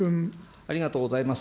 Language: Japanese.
ありがとうございます。